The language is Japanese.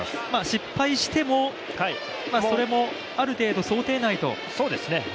失敗しても、それもある程度想定内と。